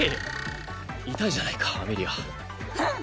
痛いじゃないかアメリアフン！